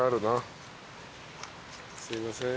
すいません。